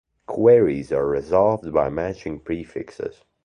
Queries are resolved by matching prefixes.